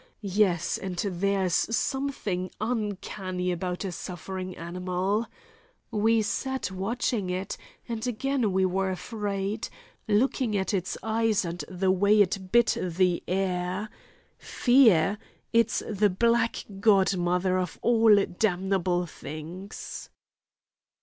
Yes, and there's something uncanny about a suffering animal—we sat watching it, and again we were afraid, looking at its eyes and the way it bit the air. Fear! It's the black godmother of all damnable things!"